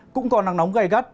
cũng có nắng nóng gai gắt